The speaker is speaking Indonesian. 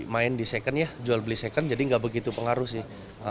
main di second ya jual beli second jadi nggak begitu pengaruh sih